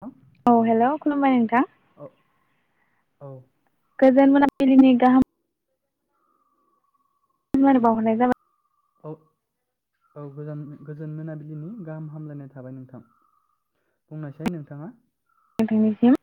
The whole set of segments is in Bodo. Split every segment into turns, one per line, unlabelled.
थां
औ हेलौ खुलुमबाय नोंथां
औ औ
गोजोन मोनाबिलिनि गाहाम हामलायनाय बावहरनाय जाबाय
औ औ गोजान गोजोन मोनाबिलिनि गाहाम हामलायनाय थाबाय नोंथां बुंनायसाय नोंथाङा
नोंथां निसिम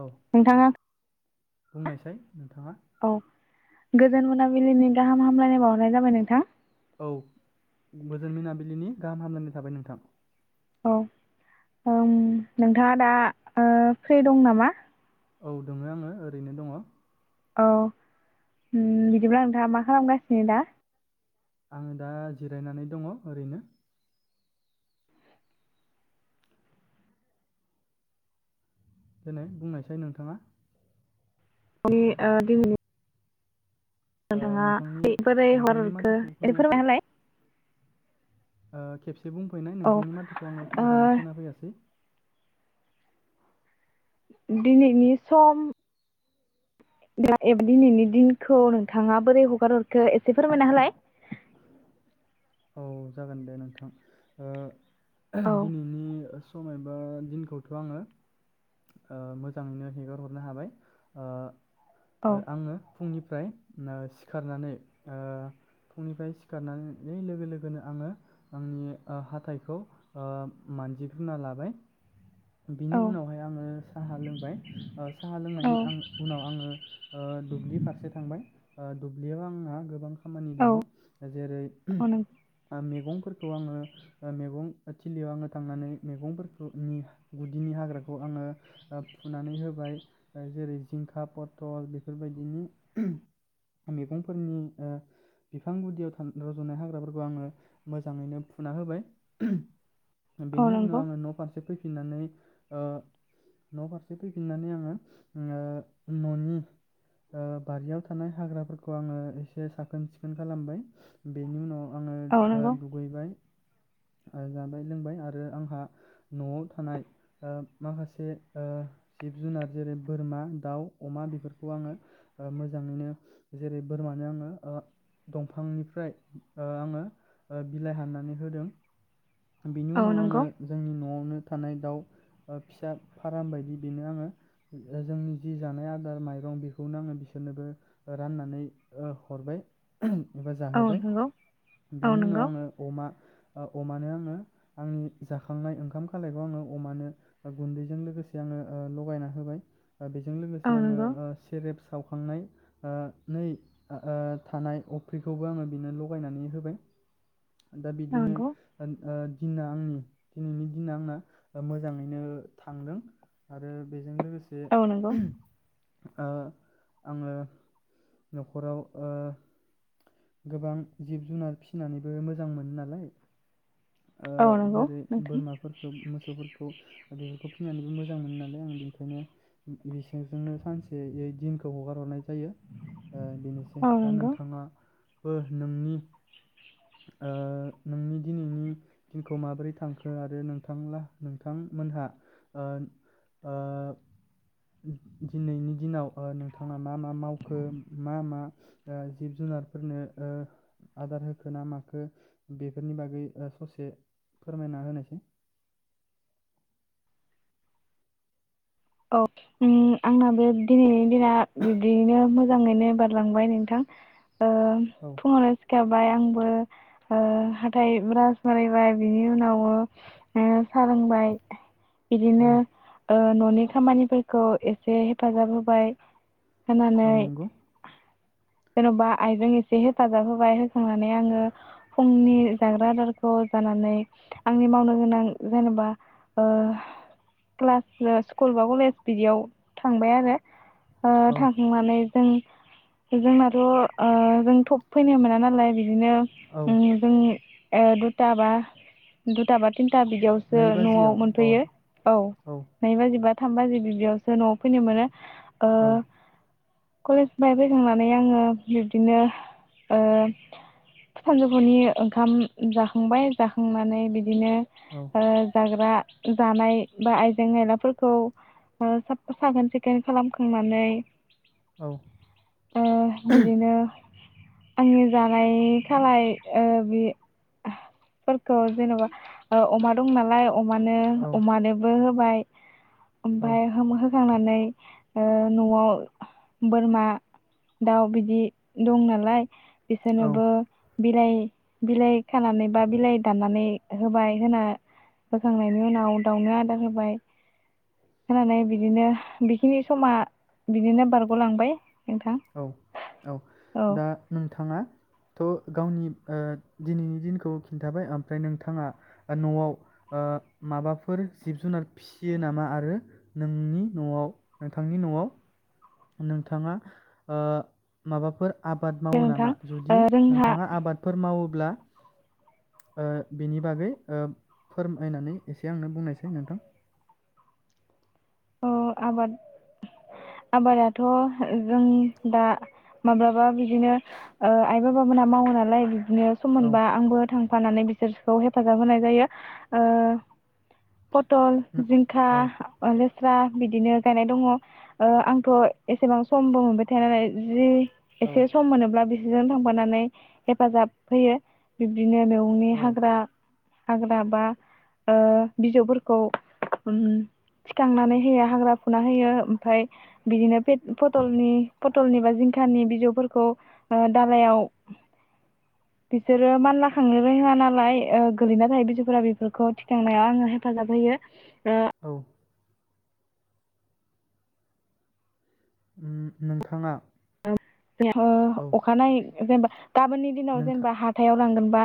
औ बुंनायसाय नोंथाङा
औ गोजोन मोनाबिलिनि गाहाम हामलायनाय बावहरनाय जाबाय नोंथां
औ गोजोन मोनाबिलिनि गाहाम हामलायनाय थाबाय नोंथां
औ ओम नोंथाङा दा ओ फ्रि दं नामा?
औ दङो आङो ओरैनो दङ।
औ उम बिदिब्ला नोंथाङा मा खालामगासिनो दा?
आङो दा जिरायनानै दङ ओरैनो। देनो बुंनायसै नोंथाङा
[unintelligible]
ओ
नोंथाङा
नोंथांनि
बोरै
नोंथांनि
हगारहरनो
माथोखौ
ए
खोनायाखै
फोरमायना होलाय
ओ खेबस दे बुंफिनाय
औ ओ
नोंथांनि माथोखौ आङो मोजाङै खोनाफैयासै।
दिनैनि सम [inaudible] दिनैनि दिनखौ नोंथाङा बोरै हगार हरखो एसे फोरमायना होलाय।
औ जागोन दे नोंथां ओ ओ
औ
दिनैनि सम एबा दिनखौथ' ओ आङो मोजाङैनो हेगार हरनो हाबाय ओ
औ
ओ आङो फुंनिफ्राय ओ सिखारनानै ओ फुंनिफ्राय सिखारनानै नै लोगो लोगोनो आङो आंनि ओ हाथाइखौ ओ मानजिगोना लाबाय। बिनि
औ
उनावहाय आङो साहा लोंबाय ओ साहा
औ
लोंनायनि आं उनाव आङो ओ दुब्लि फारसे थांबाय। ओ दुब्लियाव आंहा गोबां खा खामानि दङ
औ
जेरै‌
[unintelligible]
मेगंफोरखौ आङो ओ मेगं थिलियाव आङो थांनानै मेगंफोरखौनि गुदिनि हाग्राखौ आङो ओ फुनानै होबाय ओ जेरै जिंखा पथल बेफोरबायदिनि मेगंफोरनि ओ बिफां गुदियाव था [unintelligible] रज'नाय हाग्राफोरखौ आङो मोजाङैनो फुना होबाय।
औ
बेनि उनाव
नंगौ
आङो नफारसे फैफि फैफिननानै ओ न' फारसे फैफिननानै आङो ओ न'नि बारियाव थानाय हाग्राफोरखौ आङो एसे साखोन सिखोन खालामबाय। बेनि उनाव आङो
औ
ओ,
नंगौ।
दुगैबाय ओ जाबाय लोंबाय आरो आंहा न'आव थानाय ओ माखासे ओ जिब जुनार जेरै बोरमा दाउ अमा बेफोरखौ आङो ओ मोजाङैनो जेरै बोरमानो आङो ओ दंफांनिफ्राय ओ आङो बिलाइ हाननानै होदों। बिनि
औ
उनाव
नंगौ
आङो जोंनि न'आवनो थानाय दाउ ओ फिसा फाराम बायदि बेनो आङो ओ जोंनि जि जानाय आदार माइरं बेखौनो आङो बिसोरनोबो ओ राननानै ओ हरबाय। एबा
औ
जाहोबाय।
नंगौ औ
बिनि उनाव
नंगौ
आङो अमा अमानो आङो आंनि जाखांनाय ओंखाम खालायखौ आङो अमानो गुन्दैजों लोगोसे आङो ओ लगायना होबाय। बेजों
औ
लोगोसे आङो
नंगौ
ओ सेरेप सावखांनाय ओ नै ओ थानाय अफ्रिखौबो आङो बिनो ल लगायनानै होबाय। दा
औ
बिदिनो
नंगौ
ओ ओ दिना आंनि दिनैनि दिना आंना ओ मोजाङैनो थांदों आरो बेजों लोगो से
औ नंगौ
ओ आङो नख'राव ओ गोबां जिब जुनार फिसिनानैबो मोजां मोनो नालाय। ओ
औ नंगौ
जेरै
नोंथां
बोरमाफोरखौ मोसौफोर खौ बेफोरखौ फिनानैबो मोजां मोनो नालाय आं बेनिखायनो बिसोरजोंनो सानसेयै दिनखौ हगार हरनाय जायो ओ बेनोसै
औ
दा
नंगौ
नोंथाङा बो नोंनि ओ नोंनि दिनैनि दिनखौ माबोरै थांखो आरो नोंथां नोंथांमोनहा ओ ओ दिनैनि दिनाव नोंथाङा मा मा मावखो मा मा जिब जुनारफोरनो आदार होखो ना माखो बेफोरनि बागै ससे एसे फोरमायना होनोसै।
औ ओ आंना बे दिनैनि दिना बिदियनो मोजाङैनो बारलांबाय नोंथां। ओ
औ
फुङावनो सिखाबाय आं ओ हाथाय ब्रास मारिबाय बिनि उनाव ओ सालोंबाय
औ
बिदिनो ओ न' नि खामानिफोरखौ एसे हेफाजाब होबाय होनानै
औ नंगौ
जेनबा आइजों एसे हेफाजाब होबाय होखांनानै आङो फुंनि जाग्रा आदारखौ जानानै आंनि मावनो गोनां जेनेबा ओ क्लास स्कुल बा कलेज बिदियाव थांबाय आरो ओ
औ
थांखांनानै जों जोंनाथ ओ जों थब फैनो मोना नालाय बिदिनो
औ
ओ जोंनि ओ दुथा बा दुथा बा थिन था बिदियावसो
नै
नआव
बाजियाव अ
मोनफैयो औ नैबाजिबा। थाम बाजि बिदियावसो नआव फैनो मोनो। ओ
औ
कलेजनिफाय फैखांनानै आङो बिब्दिनो ओ सानजौफुनि ओंखाम जाखांबाय जाखांनानै बि बिदिनो
औ
ओ जाग्रा जानाय बा आइजें आयलाफोरखौ ओ साख साखोन सिखोन खालामखांनानै ओ बिदिनो आंनि जानाय खालाय ओ बि फोरखौ जेनबा ओ अमा दं नालाय अमानो
औ
अमानोबो बाय ओमफाय होम होखांना नै ओ नआव बोरमा दाउ बिदि दं नालाय
औ
बिसोरनोबो बिलाइ बिलाइ खानानै बा बिलाइ दाननानै होबाय होना होखांनायनि उनाव दाउनो आदार होबाय होनानै बिदिनो बेखिनि समा बिदिनो बारगलांबाय। नोंथां
औ औ
औ
दा नोंथाङा थ गावनि ओ दिनैनि दिनखौ खिन्थाबाय ओमफ्राय नोंथाङा नआव ओ माबाफोर जिब जुनार फिसियो नामा आरो नोंनि नआव नोंथांनि नआव नोंथाङा ओ माबाफोर आबाद
दे
मावो
नोंथां
नामा
ओ
जुदि
जोंहा
नोंथाङा आबादफोर मावो ब्ला ओ बिनि बागै ओ फोरमायनानै एसे आंनो बुंनायसाय नोंथां।
औ आबाद आबादाथ' जोंनि दा माब्लाबा बिदिनो ओ आइ बाबामोनहा मावो नालाय नो सम
औ
मोनबा आंबो थां फानानै बिसोरखौ हेफाजाब होनाय जायो ओ पटल,
नो-
जिंखा
औ
[unintelligible] स्रा बिदिनो गायनाय दंङ ओ आंथ एसेबां समबो मोनबाय थाया नालाय जि
औ
एसे सम मोनोब्ला बिसो जों थांबानानै हेफाजाब होयो [unintelligible] बिदिनो मेगंनि
औ
हाग्रा हाग्रा बा ओ बिजौफोरखौ उम फुस्रांनानै होयो हाग्रा फुना होयो ओमफ्राय बिदिनो, पेट फटलनि पटलनि बा जिंखानि बिजौफोरखौ दालायाव, बिसोरो मानला खांनो रोङा नालाय ओ गोलैना थायो बिजौफोरा बेफोरखौ थिखांनाया आङो हेफाजाब होयो, ओ
औ उम नोंथाङा, औ
नेथ' अखानायै जेनबा, गामोननि दिनाव
नोंथां
जेनबा हाथायाव लांगोन बा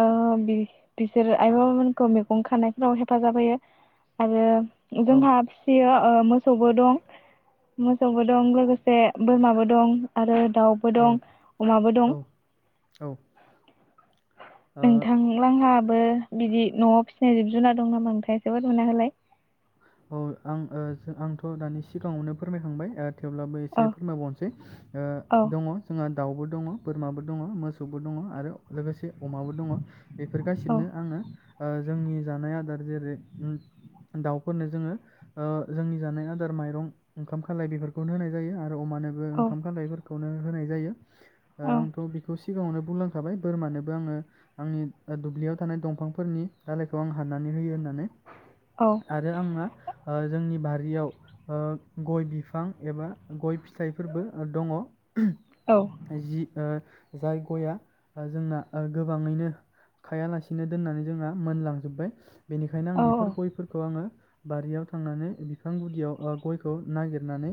ओ बि बिसोर आइ बाबामोनखौ मैगं खानायफोराव हेफाजाब होयो आरो,
औ
जोंहा फिसियो, ओ मोसौबो दं, मोसौबो दं लोगोसे बोरमाबो, दं आरो दाउबो
औ
दं अमाबो दं
औ औ ओ
नोंथांलोंहाबो बिदि न' जे जिब जुनार दं नामा? ओमफ्राय जोबोद हुनाहोलाय,
औ आं जो आंथ' दानि सिगाङावनो फोरमायखांबाय ओ थेवब्लाबो एसे
औ
फोरमायबावनिसै ओ
औ
दङ जोंहा दाउबो दङ बोरमाबो दङ मोसौबो दङ आरो लोगोसे, अमाबो दङ बेफोर
औ
गासिबोनो आङो ओ जोंनि जानाय आदार जेरै दाउ, फोरनो जोङो ओ जोंनि जानाय आदार माइरं ओंखाम खालाय बेफोरखौनो होनाय जायो, आरो अमानोबो
औ
ओंखाम खालायफोर खौनो होनाय जायो, ओ
औ
आंथ' बेखौ सिगाङावनो बुंलांखाबाय बोरमानोबो आङो आंनि दुब्लियाव थानाय दंफांफोरनि दालायखौ आं हाननानै होयो होननानै,
औ
आरो आंना ओ जोंनि बारियाव ओ गय बिफां एबा गय फिथाइफोरबो ओ दङ।
औ
जि ओ जाय गया ओ जोंना ओ गोबाङैनो खायालासेनो दोननानै जोंना मोनलांजोबबाय। बेनिखायनो आं
औ
बेफोर गयफोर आङो बारियाव थांनानै बिफां गुदियाव ओ गयखौ नागिरनानै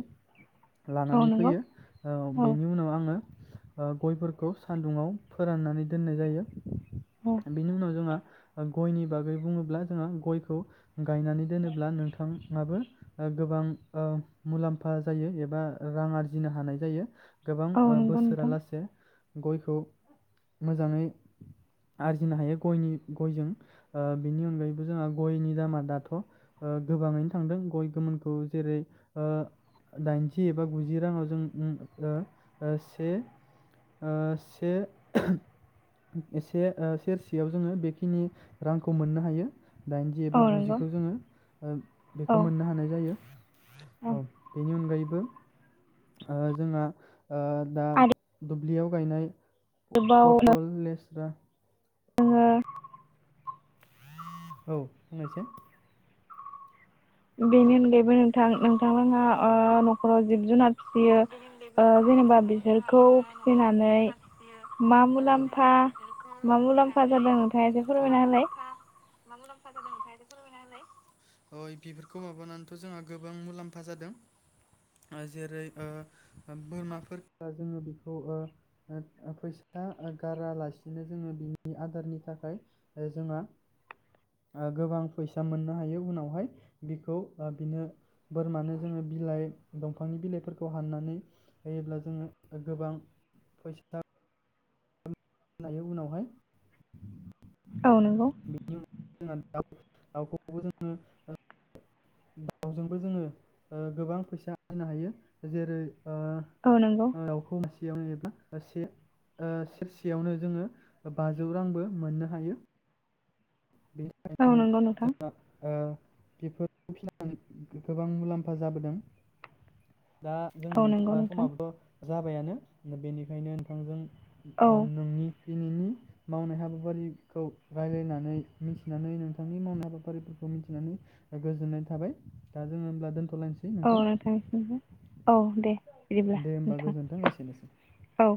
औ
लानानै
नंगौ
फैयो ओ
औ
बेनि उनाव आङो ओ गयफोरखौ सान्दुंङाव फोराननानै दोननाय जायो।
औ
बेनि उनाव जोंहा गयनि बागै बुङोब्ला जोंहा गयखौ गायनानै दोनोब्ला नोंथाङाबो ओ गोबां ओ मुलाम्फा जायो एबा रां आरजिनो हानाय जायो। गोबां
औ
ओ
नंगौ नोंथां
बोसोरालासे गयखौ मोजाङै आरजिनो हायो गयनि गयजों बिनि अनगायैबो जोंहा गयनि दामा दाथ ओ गोबाङैनो थांदों गय गोमोनखौ जेरै ओ दाइनजि एबा गुजि राङाव जों ओ ओ से ओ से से ओ सेरसेयाव जोङो बेखिनि रांखौ मोननो हायो। दाइनजि एबा
औ
गुजि
नंगौ
बेखौ
औ
मोननो हानाय जायो औ बेनि अनगायैबो ओ जोंहा ओ दा
आरो
ब्लियाव गायनाय
आरोबाव
पटल लेस [unintelligible]
जोङो
औ बुंनायसाय
बेनि अनगायैबो नोंथां नोंथांमोनहा ओ नखराव जिब जुनार फिसियो ओ जेनेबा बिसोरखौ फिसिनानै मा मुलाम्फा मा मुलाम्फा जादों नोंथाङा एसे फोरमायना होलाय।
अइ बेफोरखौ माबानानैथ जोंहा गोबां मुलाम्फा जादों जेरै बोरमा [unintelligible] जोङो बेखौ ओ ओ फैसा गारालासिनो जोङो बिनि आदारनि थाखाय ओ जोंहा ओ गोबां फैसा मोननो हायो उनावहाय बिखौ ओ बिनो बोरमानो जोङो बिलाइ दंफांनि बिलाइफोरखौ खौ हाननानै होयोब्ला जोङो गोबां फैसा नायो उनावहाय
औ नंगौ
जोंना दाउ दाउखौबो जोङो [unintelligible] दाउजोंबो जोङो ओ गोबां फैसा [unintelligible] नो हायो जेरै ओ
औ नंगौ
ओ दाउखौ मासेयावनो एबा [unintelligible] से ओ सेर सेयावनो जोङो बाजौ रांबो मोननो हायो। बेनि
औ
थाखायनो
नंगौ नोंथां।
जोंहा ओ बेफोरखौ फिनानै गोबां मुलाम्फा जाबोदों। दा जों
औ
नोंथां
नंगौ
ओ समाबोथ जाबायानो बेनिखायनो नोंथांजों
औ
ओ नोंनि दिनैनि मावनाय हाबाफारिखौ रायलायनानै मिथिनानै नोंथांनि मावनाय हाबाफारिफोरखौ मिथिनानै गोजोननाय थाबाय दा जोङो होमब्ला दोनथ
औ नोंथां। औ दे। बिदिब्ला
दे होमबा
नोंथां
गोजोन्थों। एसेनोसै।
औ